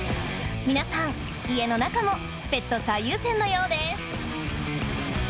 皆さん家の中もペット最優先のようです